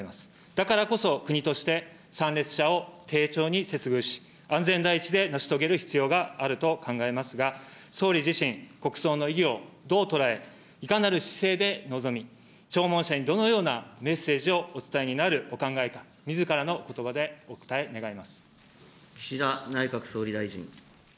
だからこそ、国として、参列者を丁重に接遇し、安全第一で成し遂げる必要があると考えますが、総理自身、国葬の意義をどう捉え、いかなる姿勢で臨み、弔問者にどのようなメッセージをお伝えになるお考えか、みずからのことばでお答え願います。